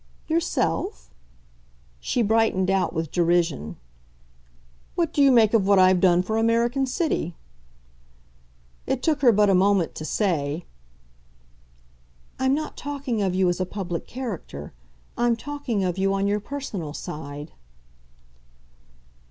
"'Yourself'? " She brightened out with derision. "What do you make of what I've done for American City?" It took her but a moment to say. "I'm not talking of you as a public character I'm talking of you on your personal side."